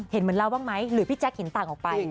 เห็นเหมือนเราบ้างไหมหรือพี่แจ๊คเห็นต่างออกไป